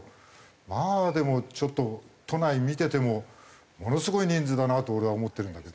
まあでもちょっと都内見ててもものすごい人数だなと俺は思ってるんだけど。